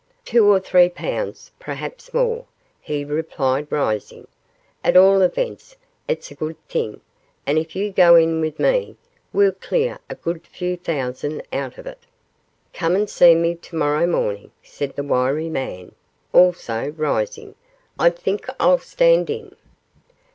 'Two or three pounds, perhaps more,' he replied, rising. 'At all events, it's a good thing, and if you go in with me, we'll clear a good few thousand out of it.' 'Come and see me to morrow morning,' said the wiry man, also rising. 'I think I'll stand in.